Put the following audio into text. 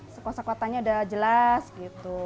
sekuasa kuatanya udah jelas gitu